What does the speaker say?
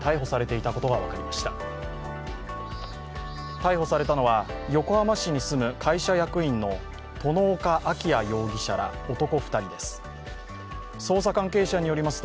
逮捕されたのは横浜市に住む会社役員の外岡亜希哉容疑者ら男